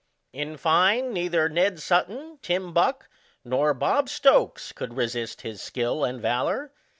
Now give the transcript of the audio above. In fine, neither Ned Sutton, Tim Buck, nor Bob Stokes, could resist his skill and valour.